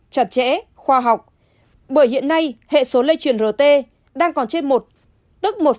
chặt chẽ khoa học bởi hiện nay hệ số lây chuyển rt đang còn trên một tức một ba